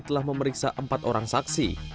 telah memeriksa empat orang saksi